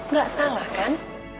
gak salah kan